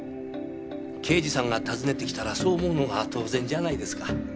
刑事さんが訪ねて来たらそう思うのが当然じゃないですか。